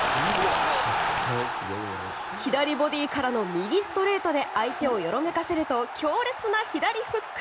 左ボディーからの右ストレートで相手をよろめかせると強烈な左フック。